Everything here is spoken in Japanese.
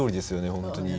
本当に。